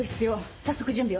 早速準備を。